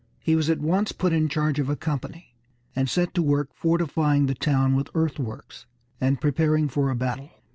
He was at once put in charge of a company, and set to work fortifying the town with earthworks, and preparing for a battle.